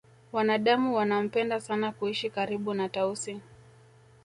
wanadamu wanampenda sana kuishi karibu na tausi